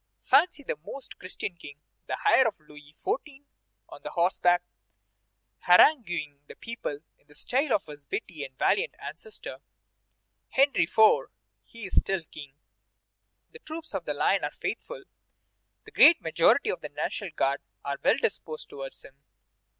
Fancy the Most Christian King, the heir of Louis XIV., on horseback, haranguing the people in the style of his witty and valiant ancestor, Henry IV.! He is still King. The troops of the line are faithful. The great majority of the National Guard are well disposed towards him.